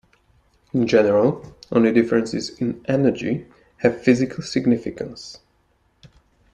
In general, only differences in energy have physical significance.